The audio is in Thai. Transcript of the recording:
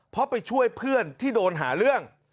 เพราะไปช่วยเพื่อนที่โดนหาเรื่อง